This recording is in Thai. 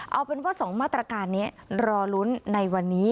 เอาเป็นว่า๒มาตรการนี้รอลุ้นในวันนี้